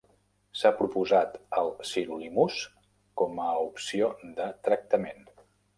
S'ha proposat el sirolimús com a opció de tractament.